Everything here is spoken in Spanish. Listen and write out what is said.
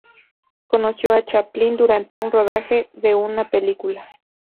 Conoció a Chaplin durante un rodaje de una película.